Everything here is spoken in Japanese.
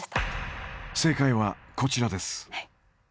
正解はこちらです。